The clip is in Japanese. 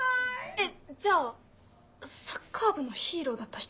えっじゃあサッカー部のヒーローだった人？